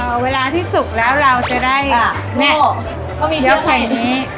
เอ่อเวลาที่สุกแล้วเราจะได้อ่าแม่โหก็มีเชือกใส่นี้